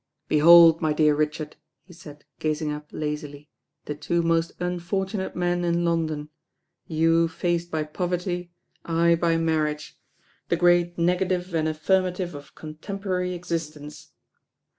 "Behold, my dear Richard," he said, gazing iip lazily, "the two most unfortunate men in London. You faced by poverty, I by marriage. The great Negative and Affirmative of contemporary exist ence."